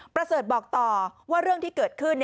ประเสริฐบอกต่อว่าเรื่องที่เกิดขึ้น